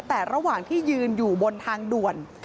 แต่ระหว่างที่ยืนอยู่บนทางด่วน